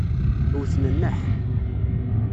Wten nneḥ.